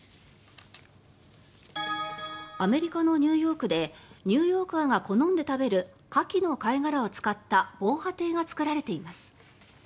アメリカのニューヨークでニューヨーカーが好んで食べるカキの貝殻を使った防波堤が作られています。